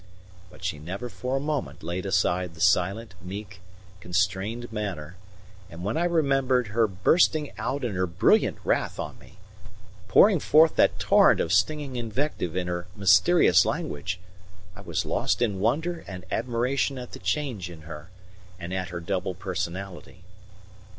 But she never for a moment laid aside the silent, meek, constrained manner; and when I remembered her bursting out in her brilliant wrath on me, pouring forth that torrent of stinging invective in her mysterious language, I was lost in wonder and admiration at the change in her, and at her double personality.